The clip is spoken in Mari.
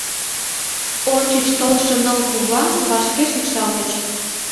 Ончыч толшо ныл кува вашке шикшалтыч.